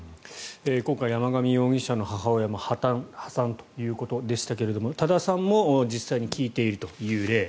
今回、山上容疑者の母親も破たん、破産ということでしたけれども多田さんも実際に聞いているという例。